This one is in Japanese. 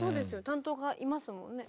担当がいますもんね。